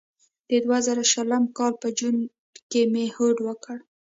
د دوه زره شلم کال په جون کې مې هوډ وکړ.